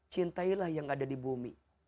cintailah yang ada di bumi